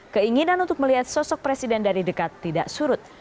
keinginan untuk melihat sosok presiden dari dekat tidak surut